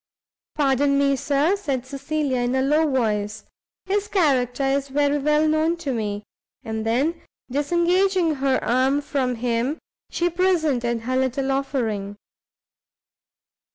"Pardon me, Sir," said Cecilia, in a low voice, "his character is very well known to me." And then, disengaging her arm from him, she presented her little offering.